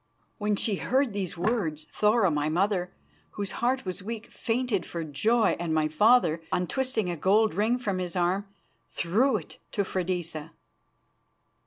When she heard these words, Thora, my mother, whose heart was weak, fainted for joy, and my father, untwisting a gold ring from his arm, threw it to Freydisa.